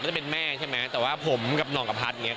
จะเป็นแม่ใช่ไหมแต่ว่าผมกับหน่องกับพัดอย่างนี้